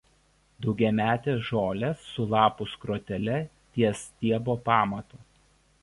Daugiametės žolės su lapų skrotele ties stiebo pamatu.